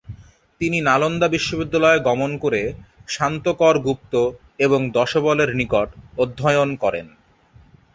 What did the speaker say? তিনি নালন্দা বিশ্ববিদ্যালয় গমন করে শান্তকরগুপ্ত এবং দশবলের নিকট অধ্যয়ন করেন।